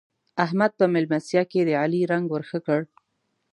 احمد په مېلمستيا کې د علي رنګ ور ښه کړ.